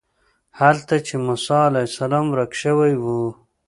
هلته چې موسی علیه السلام ورک شوی و.